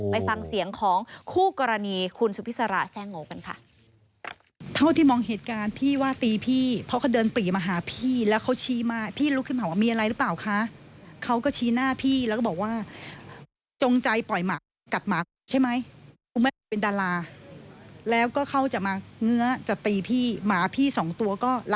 ไปฟังเสียงของคู่กรณีคุณสุพิษราแซ่งโงกันค่ะ